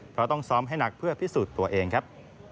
เพราะต้องซ้อมให้หนักเพื่อพิสูจน์ตัวเองครับ